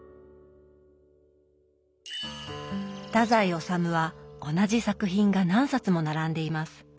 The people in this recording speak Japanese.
太宰治は同じ作品が何冊も並んでいます。